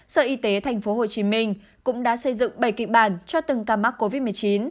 sở y tế tp hcm cũng đã xây dựng bảy kịch bản cho từng ca mắc covid một mươi chín